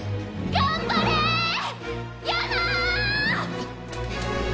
頑張れーっ！！